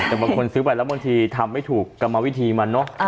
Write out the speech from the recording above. แต่บางคนซื้อไปแล้วบางทีทำไม่ถูกกรรมวิธีมันเนอะ